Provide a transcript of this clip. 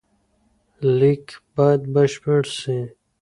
لیک باید بشپړ سي.